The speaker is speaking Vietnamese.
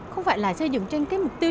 không phải là xây dựng trên cái mục tiêu